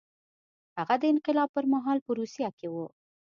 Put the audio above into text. هغه د انقلاب پر مهال په روسیه کې و.